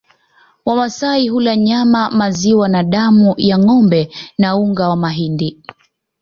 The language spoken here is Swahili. Wamasai hula nyama maziwa na damu ya ngombe na unga wa mahindi